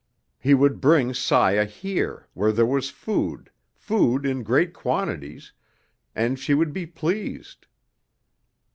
He would bring Saya here, where there was food, food in great quantities, and she would be pleased.